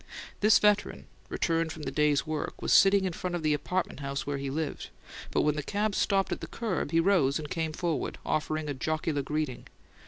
This veteran, returned from the day's work, was sitting in front of the apartment house where he lived, but when the cab stopped at the curb he rose and came forward, offering a jocular greeting.